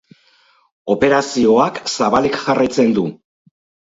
Operazioak zabalik jarraitzen du.